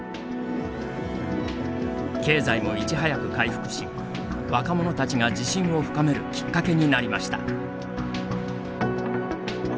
経済もいち早く回復し若者たちが自信を深めるきっかけになりました。